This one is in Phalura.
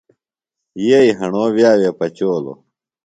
یئیی ہݨو وِیہ وے پچولوۡ۔